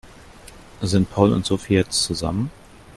Sind Paul und Sophie jetzt zusammen?